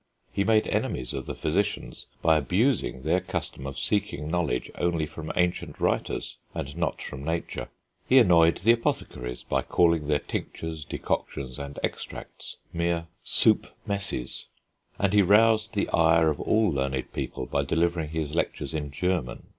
He made enemies of the physicians by abusing their custom of seeking knowledge only from ancient writers and not from nature; he annoyed the apothecaries by calling their tinctures, decoctions, and extracts, mere soup messes; and he roused the ire of all learned people by delivering his lectures in German.